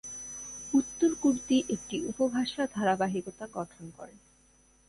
উত্তর কুর্দি একটি উপভাষা ধারাবাহিকতা গঠন করে।